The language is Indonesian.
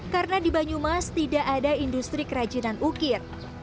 karena di banyumas tidak ada industri kerajinan ukir